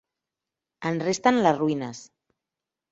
En resten les ruïnes.